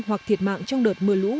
hoặc thiệt mạng trong đợt mưa lũ